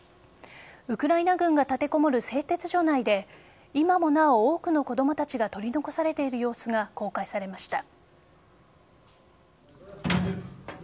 ウクライナ軍が立てこもる製鉄所内で今もなお多くの子供たちが取り残されている様子が公開されました。